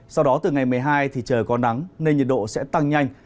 sau đó từ ngày một mươi hai thì trời có nắng nên nhiệt độ sẽ tăng nhanh